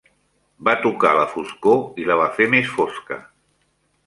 Va tocar la foscor i la va fer més fosca.